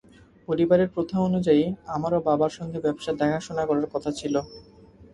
পরিবারের প্রথা অনুযায়ী আমারও বাবার সঙ্গে ব্যবসা দেখাশোনা করার কথা ছিল।